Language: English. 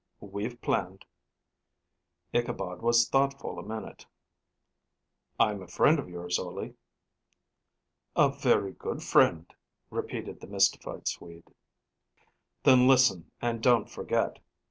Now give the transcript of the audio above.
We've planned." Ichabod was thoughtful a minute. "I'm a friend of yours, Ole." "A very good friend," repeated the mystified Swede. "Then, listen, and don't forget."